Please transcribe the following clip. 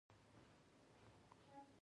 د پښو د پاکوالي لپاره باید څه شی وکاروم؟